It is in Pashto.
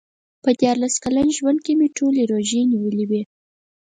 په دیارلس کلن ژوند کې مې ټولې روژې نیولې وې.